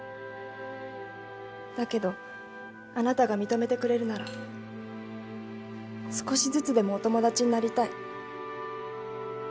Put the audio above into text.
だけどあなたが認めてくれるなら少しずつでもお友達になりたい。